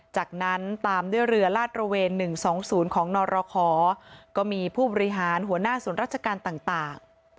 จากนั้นตามด้วยเรือลาดระเวน๑๒๐ของนรคก็มีผู้บริหารหัวหน้าศูนย์ราชการต่าง